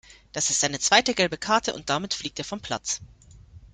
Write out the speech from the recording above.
Das ist seine zweite gelbe Karte und damit fliegt er vom Platz.